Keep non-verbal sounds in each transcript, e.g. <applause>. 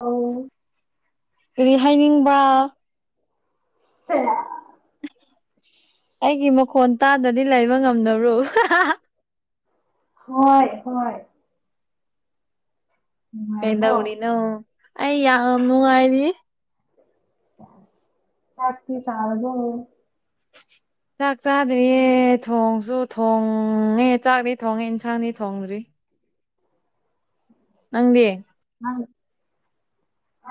ꯑ ꯀꯔꯤ ꯍꯥꯏꯅꯤꯡꯕ ꯁꯦ ꯑꯩꯒꯤ ꯃꯈꯣꯟ ꯇꯥꯗ꯭ꯔꯗꯤ ꯂꯩꯕ ꯉꯝꯗ꯭ꯔꯣ ꯍꯣꯏ ꯍꯣꯏ ꯀꯩꯗ ꯅꯨꯡꯉꯥꯏꯔꯕꯣ ꯎꯅꯤꯅ ꯑꯩ ꯌꯥꯝꯅꯅꯨꯡ ꯍꯥꯏꯔꯤ ꯆꯄꯤ ꯆꯥꯔꯒ ꯆꯥꯛ ꯆꯥꯗ꯭ꯔꯤꯌꯦ ꯊꯣꯡꯁꯨ ꯊꯣꯡꯉꯦ ꯆꯥꯛꯗꯤ ꯊꯣꯡꯉꯦ ꯏꯟꯁꯥꯡꯗꯤ ꯊꯣꯡꯗ꯭ꯔꯤ ꯅꯪꯗꯤꯦ ꯑꯩ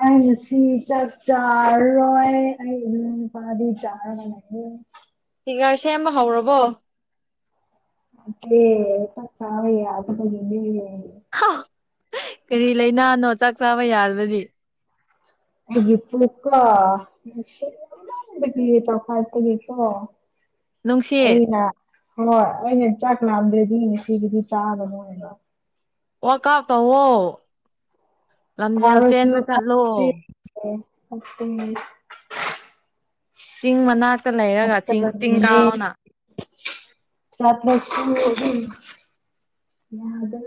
ꯑꯩ ꯉꯁꯤ ꯆꯥꯛ ꯆꯥꯔꯔꯣꯏ ꯑꯩꯒꯤ ꯅꯨꯄꯥꯗꯤ ꯆꯥꯔꯒ ꯂꯩꯌꯦ ꯐꯤꯒꯔ ꯁꯦꯝꯕ ꯍꯧꯔꯕꯣ ꯅꯠꯇꯦ ꯆꯥꯛ ꯆꯥꯕ ꯌꯥꯗꯕꯒꯤꯅꯦ ꯍꯥ ꯀꯔꯤ ꯂꯩꯅꯥꯅꯣ ꯆꯥꯛ ꯆꯥꯕ ꯌꯥ꯭ꯗꯔꯗꯤ ꯑꯗꯨꯒꯤ ꯄꯨꯛꯀ <unintelligible> ꯐꯥꯏꯞꯇꯒꯤ ꯀꯣ ꯅꯨꯡꯁꯤꯠ ꯑꯩꯅ ꯍꯣꯏ ꯑꯩꯅ ꯆꯥꯛ ꯂꯥꯝꯗ꯭ꯔꯗꯤ ꯉꯁꯤꯒꯤꯗꯤ ꯆꯥꯒꯅꯣ ꯍꯥꯏꯕ ꯋꯥ꯭ꯔꯛ ꯑꯥꯎꯠ ꯇꯧꯋꯣ ꯂꯝꯖꯦꯜ ꯆꯦꯟꯕ ꯆꯠꯂꯣ ꯑꯣꯗꯤ ꯆꯤꯡ ꯃꯅꯥꯛꯇ ꯂꯩꯔꯒ ꯆꯤꯡ ꯆꯤꯡ ꯀꯥꯎꯅ ꯆꯇ ꯂ ꯌꯥꯗ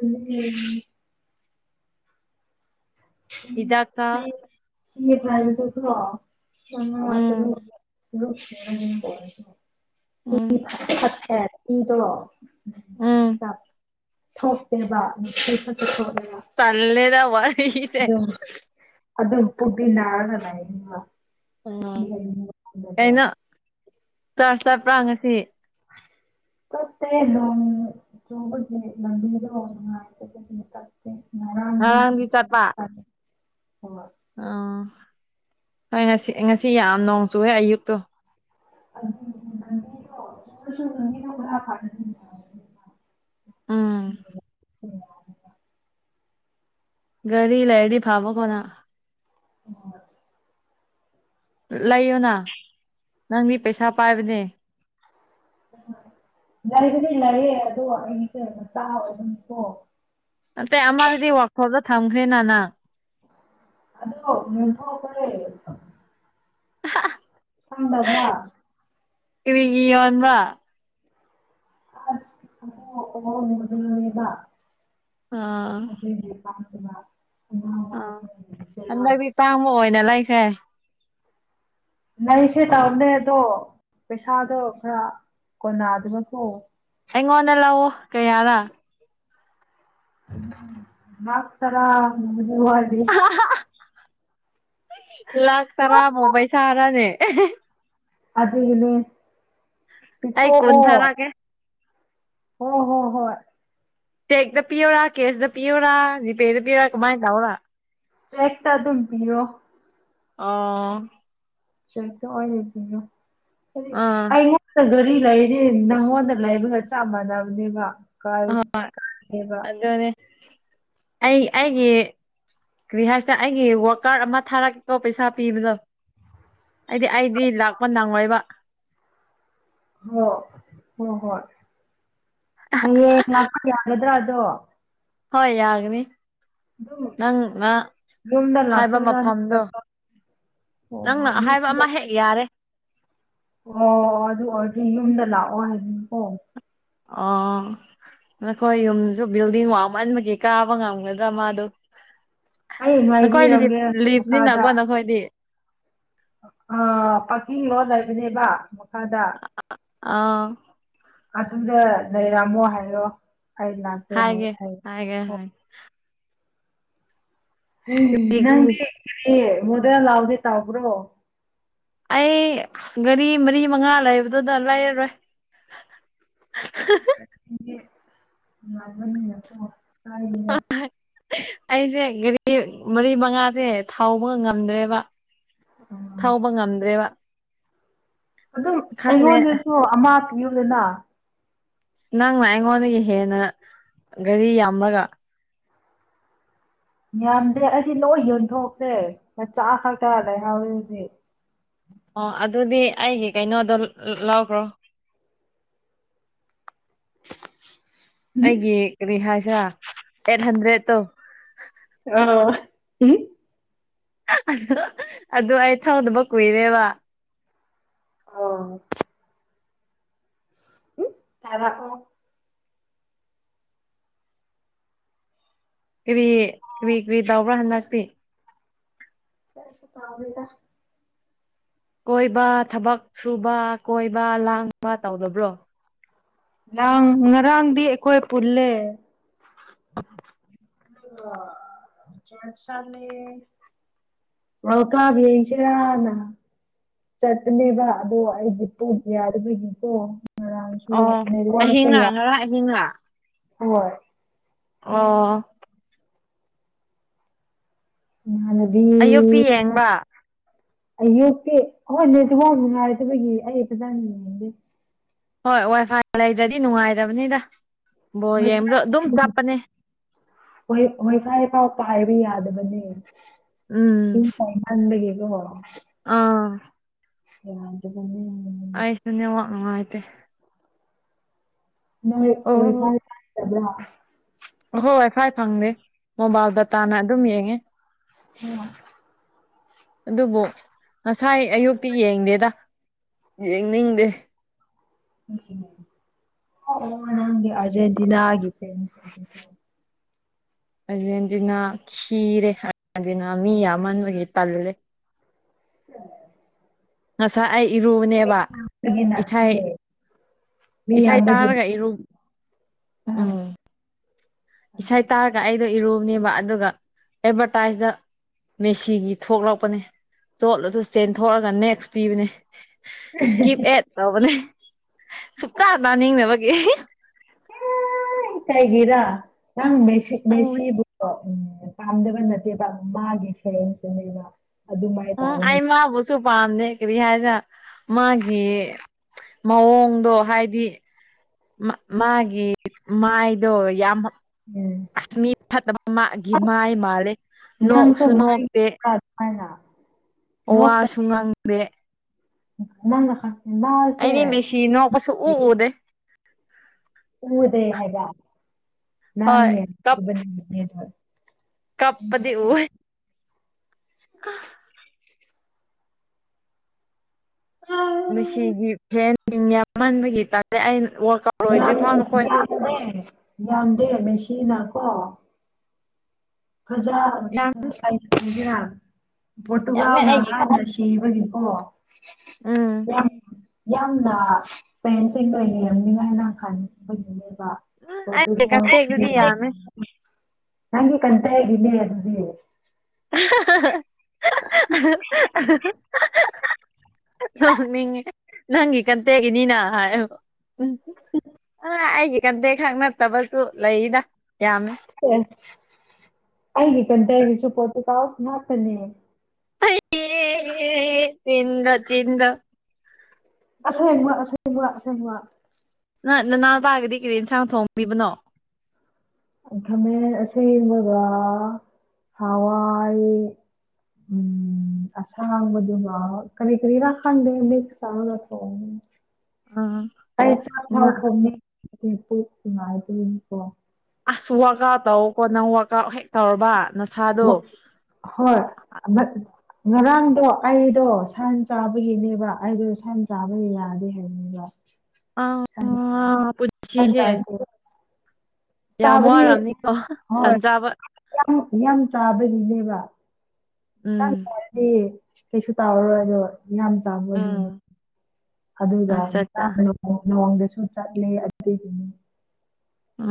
ꯎ ꯍꯤꯗꯥꯛ ꯆꯥ ꯁꯤ ꯎꯝ ꯎꯝ ꯐ ꯐ ꯏꯗꯣ ꯎꯝ ꯎ ꯊꯣꯛꯣꯛꯇꯦꯕ ꯐꯁꯨ ꯊꯣꯛꯣꯛꯂꯦꯕ ꯇꯜꯂꯦꯗ ꯋꯥꯔꯁꯦ ꯑꯗꯨ ꯑꯗꯨꯝ ꯄꯨꯕꯨꯗꯤꯅꯔꯅ ꯂꯅꯤꯡꯕ ꯎꯝ ꯀꯩꯅꯣ ꯆ꯭ꯔꯁ ꯆꯠꯄ꯭ꯔꯥ ꯉꯁꯤ ꯆꯠꯇꯦ ꯅꯣꯡ ꯆꯨꯕꯒꯤ ꯂꯝꯕꯤꯗꯣ ꯅꯨꯡꯉꯥꯏꯇꯦ <unintelligible> ꯆꯠꯇꯦ ꯉꯔꯥꯡꯗꯤ <unintelligible> ꯍꯣꯏ ꯑꯥ ꯍꯣꯏ ꯉꯁꯤ ꯉꯁꯤ ꯌꯥꯝ ꯅꯣꯡ ꯆꯨꯌꯦ ꯑꯌꯨꯛꯇꯣ ꯑꯗꯨꯖꯨꯅꯅꯦꯀꯣ <unintelligible> ꯎꯝ ꯒꯥꯔꯤ ꯂꯩꯥꯔꯗꯤ ꯐꯕꯀꯣ ꯅꯪ ꯑꯣ ꯂꯩꯌꯣꯅ ꯅꯪꯗꯤ ꯄꯩꯁꯥ ꯄꯥꯏꯕꯅꯦ ꯒꯥꯔꯤꯗꯨꯗꯤ ꯂꯩꯌꯦ ꯑꯗꯣ ꯑꯩꯒꯤꯁꯦ ꯃꯆꯥ ꯑꯣꯏꯕꯒꯤꯀꯣ ꯅꯠꯇꯦ ꯑꯃꯗꯨꯗꯤ ꯋ꯭ꯔꯥꯛꯁꯣꯞꯇ ꯊꯝꯈ꯭ꯔꯦꯅ ꯅꯪ ꯑꯗꯣ ꯌꯣꯟꯊꯣꯛꯈ꯭ꯔꯦ ꯈꯪꯗꯕ꯭ꯔꯥ ꯀꯔꯤꯒꯤ ꯌꯣꯟꯕ ꯑꯁ ꯑꯗꯣ ꯑꯥ ꯑꯥ <unintelligible> ꯑꯗꯨꯒꯤ ꯍꯟꯗꯛꯇꯤ <inaudible> ꯇꯥꯡꯕ ꯑꯣꯏꯅ ꯂꯩꯈ꯭ꯔꯦ ꯂꯩꯁꯦ ꯇꯧꯕꯅꯦ ꯑꯗꯣ ꯄꯩꯁꯥꯗꯣ ꯈ꯭ꯔ ꯀꯣꯟꯅꯗꯕꯀꯣ ꯑꯩꯉꯣꯟꯗ ꯂꯧꯋꯣ ꯀꯩꯌꯥꯔꯥ ꯂꯥꯛ ꯇꯔꯥꯒꯨꯝꯕꯗꯤ ꯋꯥꯠꯂꯤ ꯑ-ꯍ-ꯑꯥ ꯂꯥꯛ ꯇꯔꯥꯕꯣ ꯄꯩꯁꯥꯔꯥꯅꯦ ꯑꯗꯨꯒꯤꯅꯦ ꯑꯩ ꯀꯨꯟ ꯊꯥꯔꯒꯦ ꯍꯣ ꯍꯣ ꯍꯣꯏ ꯆꯦꯛꯇ ꯄꯤꯌꯨꯔꯥ ꯀꯦꯁꯇ ꯄꯤꯌꯨꯔꯥ ꯖꯤꯄꯦꯗ ꯄꯤꯌꯨꯔꯥ ꯀꯨꯃꯥꯏꯟ ꯇꯧꯔꯥ ꯆꯦꯛꯇ ꯑꯗꯨꯝ ꯄꯤꯔꯣ ꯑꯣ ꯆꯦꯛꯇ ꯑꯣꯏꯅ ꯄꯤꯌꯣ ꯍꯥꯏꯗꯤ ꯑꯥ ꯑꯩꯉꯣꯟ ꯑ ꯒꯔꯤ ꯂꯩꯔꯗꯤ ꯅꯪꯉꯣꯟꯗ ꯂꯩꯕꯒ ꯆꯞ ꯃꯥꯟꯅꯕꯅꯦꯕ ꯀꯥꯏ ꯑꯍꯣꯏ ꯀꯥꯏꯅꯦꯕ ꯑꯗꯨꯅꯦ ꯑꯩ ꯑꯩꯒꯤ ꯀꯔꯤ ꯍꯥꯏꯁꯦ ꯑꯩꯒꯤ ꯋꯥ꯭ꯔꯛꯀꯥꯠ ꯑꯃ ꯊꯥꯔꯛꯄꯗꯣ ꯄꯩꯁꯥ ꯄꯤꯕꯗꯣ ꯑꯩꯗꯤ ꯑꯩꯗꯤ ꯂꯥꯛꯄ ꯅꯪꯉꯣꯏꯕ ꯍꯣ ꯍꯣ ꯍꯣꯏ ꯍꯌꯦꯡ ꯂꯥꯛꯄ ꯌꯥꯒꯗ꯭ꯔꯥ ꯑꯗꯣ ꯍꯣꯏ ꯌꯥꯒꯅꯤ ꯑꯗꯨꯝ ꯅꯪ ꯉ ꯌꯨꯝꯗ ꯍꯥꯏꯕ ꯂꯥꯛꯇꯣꯏꯔꯥ ꯃꯐꯝꯗꯣ ꯅꯠꯇ꯭ꯔꯒ ꯑꯣ ꯅꯪꯅ ꯍꯣꯏ ꯑꯍꯥꯏꯕ ꯌꯨꯝꯗ ꯑꯃ ꯍꯦꯛ ꯌꯥꯔꯦ ꯑꯣ ꯑꯗꯨ ꯑꯣꯏꯗꯤ ꯌꯨꯝꯗ ꯂꯥꯛꯑꯣ ꯍꯥꯏꯗꯅꯀꯣ ꯑꯥ ꯅꯈꯣꯏ ꯌꯨꯝꯁꯨ ꯕꯤꯜꯗꯤꯡ ꯋꯥꯡꯃꯟꯕꯒꯤ ꯀꯥꯕ ꯉꯝꯒꯗ꯭ꯔꯥ ꯃꯥꯗ ꯑꯩ ꯅꯈꯣꯏ ꯂꯤ ꯉꯥꯏꯕꯤꯔꯝꯒꯦ ꯃꯈꯥꯗ ꯂꯤꯞꯅꯤꯅꯀꯣ ꯅꯈꯣꯏꯗꯤ ꯑ ꯄꯥꯔꯀꯤꯡ ꯔꯣꯗ ꯂꯩꯕꯅꯦꯕ ꯃꯈꯥꯗ ꯑꯥ ꯑꯗꯨꯗ ꯂꯩꯔꯝꯃꯣ ꯍꯥꯏꯔꯣ ꯑꯩ ꯂꯥꯛꯀꯦ ꯍꯥꯏ ꯍꯥꯏꯒꯦ ꯍꯥꯏ ꯍꯥꯏꯒꯦ ꯑꯣ ꯍꯥꯏꯒꯦ ꯎꯝ ꯅꯪꯗꯤ ꯀꯩ ꯃꯣꯗꯦꯜ ꯂꯧꯒꯦ ꯇꯧꯕ꯭ꯔꯣ ꯑꯩ ꯒꯥꯔꯤ ꯃꯔꯤ ꯃꯉꯥ ꯂꯩꯕꯗꯨꯗ ꯂꯩꯔꯔꯣꯏ ꯑꯩꯗꯤ ꯂꯥꯞꯄꯅꯤꯅ ꯀꯣ ꯑ <unintelligible> ꯑꯩꯖꯦ ꯒꯔꯤ ꯃꯔꯤ ꯃꯉꯥꯖꯦ ꯊꯧꯕ ꯉꯝꯗ꯭ꯔꯦꯕ ꯎꯝ ꯊꯧꯕ ꯉꯝꯗ꯭ꯔꯦꯕ ꯑꯗꯨꯝ ꯈꯪꯗꯦ ꯑꯩꯉꯣꯟꯗꯁꯨ ꯑꯃ ꯄꯤꯌꯨꯗꯅ ꯑꯁ ꯅꯪꯅ ꯑꯩꯉꯣꯟꯗꯒꯤ ꯍꯦꯟꯅ ꯒꯥꯔꯤ ꯌꯥꯝꯂꯒ ꯌꯥꯝꯗꯦ ꯑꯩꯗꯤ ꯂꯣꯏ ꯌꯣꯟꯊꯣꯛꯇ꯭ꯔꯦ ꯃꯆꯥ ꯈꯛꯇ ꯂꯩꯍꯥꯎꯔꯤꯖꯤ ꯑꯣ ꯑꯗꯨꯗꯤ ꯑꯩꯒꯤ ꯀꯩꯅꯣꯗꯣ ꯂꯧꯈ꯭ꯔꯣ ꯑꯩꯒꯤ ꯀꯔꯤ ꯍꯥꯏꯁꯤꯔꯥ ꯑꯩꯠ ꯍꯟꯗ꯭ꯔꯦꯗ ꯇꯧ ꯑ ꯎꯝ ꯑꯗꯨ ꯑꯩ ꯊꯧꯗꯅꯕ ꯀꯨꯏꯔꯦꯕ ꯑ ꯎ ꯀꯃꯈꯣ ꯀꯔꯤ ꯀꯔꯤ ꯀꯔꯤ ꯇꯧꯕ꯭ꯔꯥ ꯍꯟꯗꯛꯇꯤ ꯁ ꯄꯥꯎꯅꯤꯗ ꯀꯣꯏꯕ ꯊꯕꯛ ꯁꯨꯕ ꯀꯣꯏꯕ ꯂꯥꯡꯕ ꯇꯧꯗꯕ꯭ꯔꯣ ꯉꯥꯡ ꯉꯔꯥꯡꯗꯤ ꯑꯩꯈꯣꯏ ꯄꯨꯜꯂꯦ ꯆꯁꯦ ꯑꯣ ꯀꯕ ꯌꯦꯁꯅ ꯆꯠꯄꯅꯦꯕ ꯑꯗꯣ ꯑꯩꯗꯤ ꯄꯨꯡ ꯌꯥꯗꯕꯒꯤꯀꯣ ꯃꯔꯥꯡꯁꯨ ꯑꯣ ꯔꯕꯥꯔꯁꯨ ꯑꯍꯤꯡꯂꯥ ꯌꯥ ꯉꯔꯥꯡ ꯑꯍꯤꯡꯂꯥ ꯍꯣꯏ ꯑꯣ ꯑꯌꯨꯛꯇꯤ ꯌꯦꯡꯕ <unintelligible> ꯑꯌꯨꯛꯇꯤ ꯑꯩꯈꯣꯏ ꯅꯦꯠꯋꯛ ꯅꯨꯡꯉꯥꯏꯇꯕꯒꯤ ꯑꯩ ꯐꯖꯅ ꯌꯦꯡꯗꯦ ꯍꯣꯏ ꯋꯥꯏ ꯐꯥꯏ ꯂꯩꯗ꯭ꯔꯗꯤ ꯅꯨꯡꯉꯥꯏꯇꯕꯅꯤꯗ ꯕꯣ ꯋꯥꯏ ꯌꯦꯡꯕꯗꯣ ꯐꯥꯏ ꯑꯗꯨꯝ ꯆꯞꯄꯅꯦ ꯋꯥꯏ ꯋꯥꯏꯐꯥꯏ ꯐꯥꯎ ꯄꯥꯏꯕ ꯌꯥꯗꯕꯅꯦ <unintelligible> ꯎꯝ <unintelligible> ꯑꯥ <unintelligible> ꯑꯩꯁꯨ ꯅꯦ ꯋꯥꯛ ꯅꯨꯡꯉꯥꯏꯇꯦ ꯅꯣꯏ ꯑꯣ ꯑꯣꯏꯐꯕ꯭ꯔ ꯑꯍꯣꯏ ꯐꯥꯏ ꯐꯪꯗꯦ ꯃꯣꯕꯥꯏꯜ ꯗꯇꯥꯅ ꯑꯗꯨꯝ ꯌꯦꯡꯉꯦ ꯎꯝ ꯑꯗꯨꯕꯨ ꯉꯁꯥꯏ ꯑꯌꯨꯛꯇꯤ ꯌꯦꯡꯗꯦꯗ ꯌꯦꯡꯅꯤꯡꯗꯦ ꯎ ꯑꯣ ꯅꯪ ꯑꯔꯖꯦꯟꯇꯤꯅꯥꯒꯗꯦ ꯑꯗꯨ ꯑꯗꯨꯅ ꯈꯤꯔꯦ ꯑꯗꯨꯅ ꯃꯤ ꯌꯥꯝꯍꯟꯕꯒꯤ ꯇꯜꯂꯦ ꯎ ꯉꯁꯥꯏ ꯑꯩ ꯏꯔꯨꯕꯅꯦꯕ ꯒꯤꯅꯠꯇꯦ ꯏꯊꯥꯏ ꯃꯤ ꯏꯁꯩ ꯌꯥꯝꯕꯒꯤ ꯇꯥꯔꯒ ꯏꯔꯨ ꯎꯝ ꯏꯁꯩ ꯇꯥꯔꯒ ꯑꯩꯗꯣ ꯏꯔꯨꯕꯅꯦꯕ ꯑꯗꯨꯒ ꯑꯦꯗꯚꯔꯇꯥꯏꯖꯇ ꯃꯦꯁꯤꯒꯤ ꯊꯣꯛꯂꯛꯄꯅꯦ ꯆꯣꯠꯂꯁꯨ ꯆꯦꯟꯊꯣꯛꯑꯒ ꯅꯦꯛꯁ ꯄꯤꯕꯅꯦ ꯏꯁꯀꯤꯞ ꯑꯦꯠ ꯇꯧꯕꯅꯦ ꯁꯨꯨꯡꯇꯥ ꯇꯥꯅꯤꯡꯅꯗꯕꯒꯤ <unintelligible> ꯀꯩꯒꯤꯔꯥ ꯅꯪ ꯃꯦꯁꯤꯛ ꯃꯦꯁꯤꯕꯨ ꯎꯝ ꯄꯥꯝꯗꯕ ꯅꯠꯇꯦꯕ ꯃꯥꯒꯤ ꯐꯦꯟꯁ <unintelligible> ꯎꯝ ꯑꯩ ꯃꯥꯕꯨꯁꯨ ꯄꯥꯝꯗꯦ ꯀꯔꯤ ꯍꯥꯏꯗ ꯃꯥꯒꯤ ꯃꯑꯣꯡꯗꯣ ꯍꯥꯏꯗꯤ ꯃꯥꯒꯤ ꯃꯥꯏꯗꯣ ꯌꯥꯝ ꯑꯁ ꯃꯤ ꯐꯠꯇꯕ ꯃꯥꯒꯤ ꯃꯥꯏ ꯃꯥꯜꯂꯦ ꯅꯪꯁꯨ ꯅꯣꯛꯁꯨ ꯅꯣꯛꯇꯦ ꯃꯥꯏꯕ꯭ꯔꯥ <unintelligible> ꯅꯣꯛꯄ ꯋꯥꯁꯨ ꯉꯥꯡꯗꯦ ꯅꯪꯅ <unintelligible> ꯃꯥꯁꯦ ꯁꯤ ꯅꯣꯛꯄ ꯁꯨꯑꯨ ꯎꯗꯦ ꯎꯗ ꯍꯥꯏ <unintelligible> ꯅꯪ ꯍꯣꯏ ꯀꯞ <unintelligible> ꯀꯞꯄꯗꯤ ꯎꯋꯦ <unintelligible> ꯃꯦꯁꯤꯒꯤ ꯐꯦꯟ ꯌꯥꯝꯃꯟꯕꯒꯤ ꯇꯥꯂꯦ ꯑꯩꯅ ꯋꯀꯞ ꯌꯥꯝ ꯌꯥꯝꯗꯦ ꯌꯥꯝꯗꯦ ꯃꯦꯁꯤꯅ ꯀꯣ ꯐꯖ ꯌꯥꯝ <unintelligible> ꯌꯥꯝꯃꯦ ꯄꯣꯔꯇꯨꯒꯥꯜꯅ ꯑꯩꯒꯤ ꯍꯥꯏ ꯃꯦꯁꯤ ꯁꯤꯕꯒꯤꯀꯣ ꯎꯝ <unintelligible> ꯌꯥꯝꯅ ꯐꯦꯟꯁꯤꯡꯗꯣ <unintelligible> ꯈꯟꯕꯒꯤꯅꯦꯕ ꯎꯝ ꯑꯩꯒꯤ ꯀꯟꯇꯦꯛꯇꯨꯗꯤ ꯌꯥꯝꯃꯦ <unintelligible> ꯀꯟꯇꯦꯒꯤꯅꯦ ꯑꯗꯨꯗꯤ <unintelligible> ꯅꯣꯛꯅꯤꯡꯉꯦ ꯅꯪꯒꯤ ꯀꯟꯇꯒꯤꯅꯤꯅ ꯍꯥꯏ ꯎꯝ ꯑ ꯑꯩꯒꯤ ꯀꯟꯇꯦꯛ ꯈꯛ ꯅꯠꯇꯕꯁꯨ ꯂꯩꯗ ꯌꯥꯝꯃꯦ ꯁꯦꯁ ꯑꯩꯒꯤ ꯀꯟꯇꯦꯒꯤꯁꯨꯨ ꯄꯣꯇꯨꯒꯜ ꯉꯥꯛꯇꯅꯦ ꯑꯩ ꯆꯤꯟꯗ ꯆꯤꯟꯗꯣ ꯑꯁꯦꯡꯕ ꯑꯁꯦꯡꯕ ꯑꯁꯦꯡꯕ ꯅ ꯅꯅꯥꯎꯄꯥꯒꯤꯗꯤ ꯀꯩ ꯌꯦꯟꯁꯥꯡ ꯊꯣꯡꯕꯤꯕꯅꯣ ꯈꯃꯦꯟ ꯑꯁꯦꯡꯕꯒ ꯍꯋꯥꯏ ꯎꯝ ꯑꯁꯥꯡꯗꯨꯒ ꯀꯔꯤ ꯀꯔꯤꯔꯥ ꯈꯪꯗꯦ ꯃꯤꯛꯁ ꯇꯧꯔꯒ ꯊꯣꯡ <unintelligible> ꯑ ꯑꯩ ꯆꯥꯛ ꯊꯥꯎ ꯊꯣꯡꯅꯤꯡ <unintelligible> ꯄꯨꯛ <unintelligible> ꯑꯁ ꯋꯥꯔꯥꯛ ꯑꯥꯎꯠ ꯇꯧꯀꯣ ꯅꯪ ꯋꯔꯥꯛ ꯑꯥꯎꯠ ꯍꯦꯛ ꯇꯧꯔꯕ ꯅꯁꯥꯗꯣ ꯍꯣꯏ ꯉꯔꯥꯡꯗꯣ ꯑꯩꯗꯣ ꯁꯟ ꯆꯥꯕꯒꯤꯅꯦꯕ ꯑꯩꯗꯣ ꯁꯟ ꯆꯥꯕ ꯌꯥꯗꯦ ꯍꯥꯏꯕꯅꯤ ꯑꯥ ꯄꯨꯟꯁꯤꯁꯦ ꯊꯥꯡꯨ ꯌꯥꯝ ꯋꯥꯝꯅꯤꯀꯣ ꯁꯟ ꯍꯣꯏ ꯆꯥꯕ ꯌꯥꯝ ꯌꯥꯝ ꯆꯥꯕꯒꯤꯅꯦꯕ ꯈꯤꯇꯪ ꯎꯝ <unintelligible> ꯀꯩꯁꯨ ꯇꯧꯔꯔꯣꯗꯨ ꯌꯥꯝ ꯆꯥꯕꯒꯤꯅꯦ ꯎꯝ ꯑꯗꯨꯒ ꯑꯠꯆꯥ ꯑꯠꯆꯥ <unintelligible> ꯅꯣꯡꯗꯁꯨ ꯆꯠꯂꯦ <unintelligible>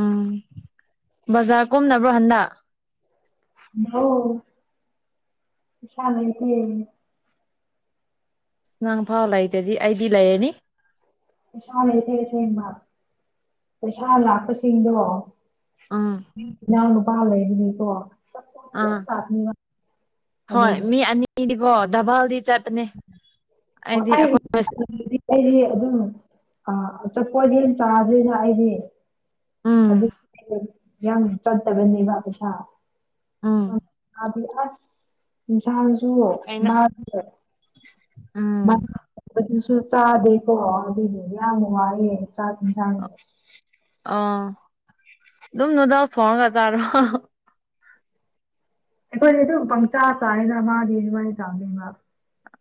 ꯎꯝ ꯕꯖꯥꯔ ꯀꯨꯝꯅꯕ꯭ꯔꯣ ꯍꯟꯗꯛ <unintelligible> ꯄꯩꯁꯥ ꯂꯩꯇꯦ ꯅꯪ ꯐꯥꯎ ꯂꯩꯇꯗꯤ ꯑꯩꯗꯤ ꯂꯩꯔꯅꯤ ꯄꯩꯁꯥ ꯂꯩꯇꯦ ꯑꯁꯦꯡꯕ ꯄꯩꯁꯥ ꯂꯥꯛꯄꯁꯤꯡꯗꯣ ꯎꯝ ꯏꯅꯥꯎ ꯅꯨꯄꯥ ꯂꯩꯔꯤꯅꯤꯀꯣ ꯑꯥ ꯍꯣꯏ ꯑꯗꯨꯒꯤ ꯃꯤ ꯑꯅꯤꯗ ꯗꯕꯜ ꯆꯠ ꯑꯩ ꯑꯩꯗꯤ ꯑꯗꯨꯝ ꯆꯠꯄꯗꯤ ꯌꯥꯝ ꯇꯥꯗ꯭ꯣꯏꯅ ꯑꯩꯗꯤ ꯎꯝ ꯍꯧꯖꯤꯛ ꯌꯥꯝ ꯆꯠꯇꯕꯅꯦꯕ ꯄꯩꯁꯥ ꯎꯝ ꯑꯗꯤ ꯑꯁ ꯏꯟꯁꯥꯡꯁꯨ ꯑꯩꯅ ꯃꯥ ꯎꯝ ꯁꯨ ꯆꯦꯀꯣ ꯌꯥꯃꯨ ꯆ ꯊ ꯑꯣ ꯑꯗꯨꯝꯗꯨꯗ ꯐꯣꯡꯒ ꯇꯥꯔꯣ ꯑꯩꯈꯣꯏꯗꯤ ꯑꯗꯨꯝ ꯄꯪꯆꯥ ꯆꯥꯅ ꯃꯥꯗꯤ ꯑꯗꯨꯃꯥꯏꯅ ꯇꯥꯅꯤ ꯃꯥ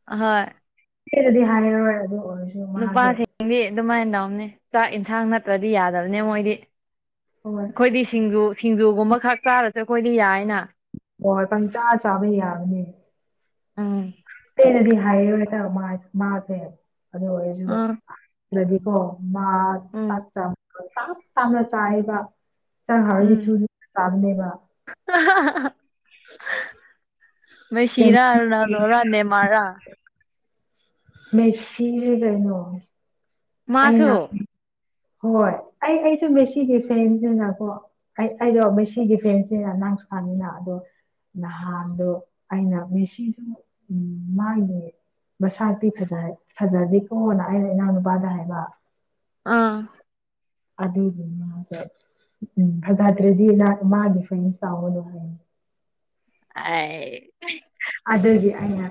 ꯍꯣꯏ ꯁꯤꯗꯗꯤ ꯍꯥꯏ ꯑꯗꯨ ꯑꯣꯏ ꯅꯨꯄꯥꯁꯤꯡꯗꯤ ꯑꯗꯨꯃꯥꯏꯅ ꯇꯧꯅꯤ ꯆꯥꯛ ꯏꯟꯁꯥꯡ ꯅꯠꯇ꯭ꯔꯗꯤ ꯌꯥꯗꯕꯅꯦ ꯃꯣꯏꯗꯤ ꯍꯣꯏ ꯑꯩꯈꯣꯏꯗꯤ ꯁꯤꯡꯖꯨ ꯁꯤꯡꯖꯨꯒꯨꯝꯕ ꯈꯛ ꯆꯥꯔꯁꯨ ꯑꯩꯈꯣꯏꯗꯤ ꯌꯥꯏꯅ ꯑꯣꯏ ꯄꯪ ꯆꯥ ꯆꯥꯕ ꯌꯥꯒꯅꯤ ꯑꯥ ꯄꯦꯟꯅꯗꯤ ꯍꯥꯏꯌꯦ ꯍꯟꯇꯛ ꯃꯥꯁꯦ ꯑꯗꯨ ꯑꯣꯏꯔꯁꯨ ꯑꯥ <unintelligible> ꯎꯝ ꯏꯟꯖꯥꯡ ꯍꯥꯎꯔꯗꯤ ꯎꯝ ꯊꯨꯅ ꯆꯥꯕꯅꯦꯕ <unintelligible> ꯃꯤꯁꯤꯔꯥ ꯔꯣꯅꯥꯜꯗꯣꯔꯥ ꯅꯦꯃꯥꯥꯔꯔꯥ ꯃꯦꯁꯤꯅꯦ ꯀꯩꯅꯣ ꯃꯥꯁꯨ ꯑꯩꯅ ꯍꯣꯏ ꯑꯩꯁꯨ ꯃꯦꯁꯤ ꯐꯦꯟꯅꯤꯗꯅꯀꯣ ꯑꯩ ꯑꯩꯗꯣ ꯃꯦꯁꯤꯒꯤ ꯐꯦꯟꯁꯤꯅ ꯅꯪꯁꯨ ꯈꯪꯉꯤꯗꯅ ꯑꯗꯣ ꯅꯍꯥꯟꯗꯣ ꯑꯩꯅ ꯃꯦꯁꯤꯁꯨ ꯎ ꯃꯥꯒꯤ ꯃꯁꯇꯤ ꯐꯖꯗꯦꯀꯣꯅ ꯑꯩꯅ ꯏꯅꯥꯎ ꯅꯨꯄꯥꯗ ꯍꯥꯏꯕ ꯑꯥ ꯑꯗꯨꯒꯤ ꯃꯥꯗꯣ ꯎꯝ ꯐꯖꯥꯗꯔꯥꯗꯤ ꯃꯥꯒꯤ ꯐꯦꯟ ꯆꯥꯎꯒꯥꯅꯨ ꯍꯥꯏ <unintelligible> ꯑꯗꯨꯒꯤ ꯑꯩꯅꯥ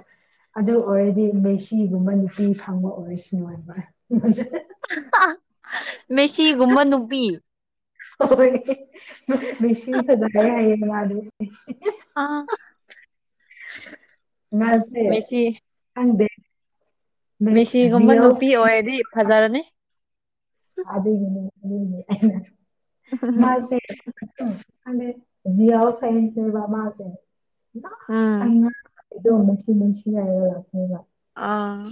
ꯑꯗꯨ ꯑꯣꯏꯔꯗꯤ ꯃꯦꯁꯤꯒꯨꯝꯕ ꯅꯨꯄꯤ ꯐꯪꯕ ꯑꯣꯏꯔꯁꯅꯨ ꯍꯥꯏꯕ ꯃꯦꯁꯤꯒꯨꯝꯕ ꯅꯨꯄꯤ <unintelligible> ꯑꯥ ꯃꯥꯁꯦ ꯃꯦꯁꯤ ꯈꯪꯗꯦ ꯃꯤꯁꯤꯒꯨꯝꯕ ꯔꯤꯌꯦꯜ ꯅꯨꯄꯤ ꯑꯣꯏꯔꯗꯤ ꯐꯖꯔꯅꯤ ꯑꯗꯨꯒꯤꯅꯦ ꯑꯩꯅꯥ ꯃꯥꯁꯦ ꯎꯝ <unintelligible> <unintelligible> ꯑ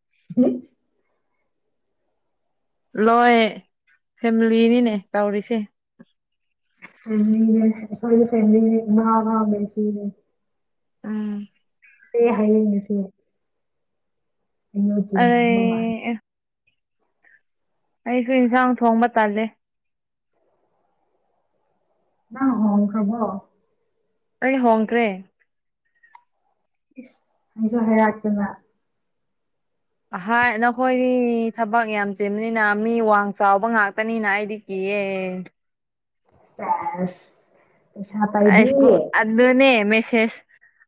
<unintelligible> ꯂꯣꯏ ꯐꯦꯃꯤꯂꯤꯅꯤꯅꯦ ꯇꯧꯔꯤꯁꯦ <unintelligible> ꯎꯝ <unintelligible> <unintelligible> ꯑꯩ ꯑꯩꯁꯨ ꯏꯟꯁꯥꯡ ꯊꯣꯡꯕ ꯇꯥꯜꯂꯦ ꯅꯪ ꯍꯣꯟꯈ꯭ꯔꯕꯣ ꯑꯩ ꯍꯣꯡꯈꯔꯦ ꯍꯥꯏꯁꯨ ꯍꯥꯏꯔꯛꯇꯅ ꯑꯍꯣꯏ ꯅꯈꯣꯏꯗꯤ ꯊꯕꯛ ꯌꯥꯝ ꯆꯦꯟꯕꯅꯤꯅ ꯃꯤ ꯋꯥꯡ ꯆꯥꯎꯕ ꯉꯥꯛꯇꯅꯤꯅ ꯑꯩꯗꯤ ꯏꯌꯦ <unintelligible> ꯄꯩꯁꯥ ꯄꯥꯏꯕꯤ ꯑꯁꯀꯣ ꯑꯠ ꯑꯗꯨꯅꯦ ꯃꯦꯁꯦꯁ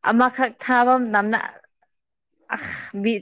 ꯑꯃꯈꯛ ꯊꯥꯕ ꯃꯇꯝꯅ ꯑꯥꯁ ꯕꯤ